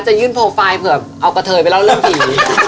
ยื่นโปรไฟล์เผื่อเอากระเทยไปเล่าเรื่องผี